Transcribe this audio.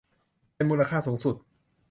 เป็นมูลค่าสูงสุด